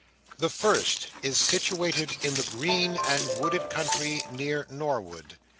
The first is situated in the green and wooded country near Norwood.